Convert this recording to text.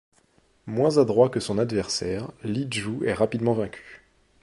Moins adroit que son adversaire, Li Jue est rapidement vaincu.